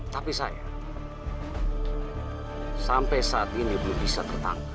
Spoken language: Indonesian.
tapi saya sampai saat ini belum bisa tertangkap